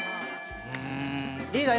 リーダー